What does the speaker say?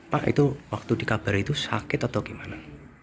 pak itu waktu dikabar itu sakit atau gimana